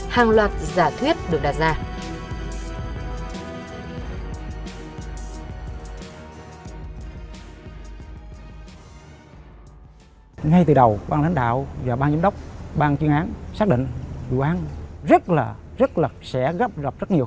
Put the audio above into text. hàng loạt giả thuyết được đặt ra